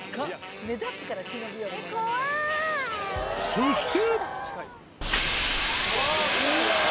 そして。